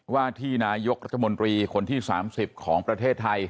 ว่าที่นายกรัฐมนตรีคนที่๓๐ของประเทศไทย